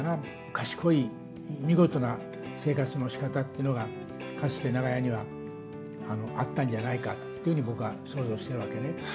賢い見事な生活のしかたっていうのが、かつて長屋にはあったんじゃないかというふうに、僕は想像してるわけね。